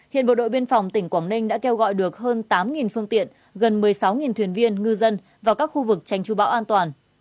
hiện bộ đội biên phòng tỉnh quảng ninh đã kêu gọi được hơn tám phương tiện gần một mươi sáu thuyền viên ngư dân vào các khu vực tranh tru bão an toàn